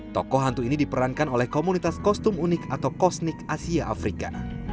tokoh hantu ini diperankan oleh komunitas kostum unik atau kosnik asia afrika